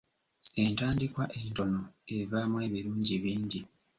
Entandikwa entono evaamu ebirungi bingi.